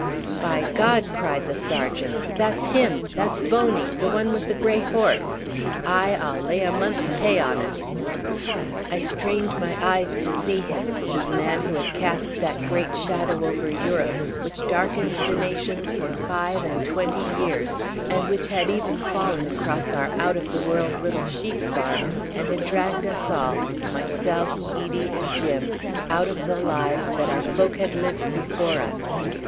"By God!" cried the sergeant, "that's him! That's Boney, the one with the grey horse. Aye, I'll lay a month's pay on it." I strained my eyes to see him, this man who had cast that great shadow over Europe, which darkened the nations for five and twenty years, and which had even fallen across our out of the world little sheep farm, and had dragged us all myself, Edie, and Jim out of the lives that our folk had lived before us.